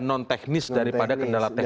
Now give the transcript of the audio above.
non teknis daripada kendala teknis